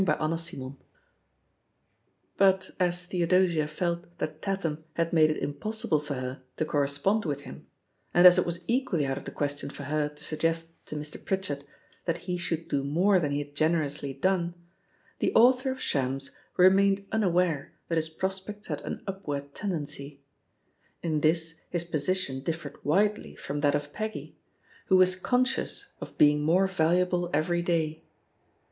* CHAPTER Vni Birr as Theodosia felt that Tatham had made it impossible for her to correspond with him, and as it was equally out of the question for her to suggest to Mr. Fritchard that he should do more than he had generously done, the author of Shams remained imaware that his prospects had an upward tendency. In this, his position dif fered widely from tibat of Peggy, who was con scious of being more valuable every day.